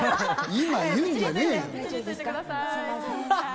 今、言うんじゃねえよ。